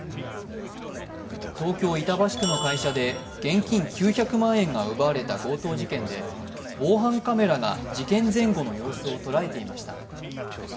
東京・板橋区の会社で現金９００万円が奪われた強盗事件で防犯カメラが事件前後の様子を捉えていました。